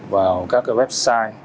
vào các website